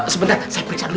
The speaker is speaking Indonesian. sebentar saya periksa dulu ya